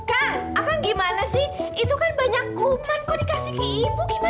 kang akang gimana sih itu kan banyak kuman kok dikasih ke ibu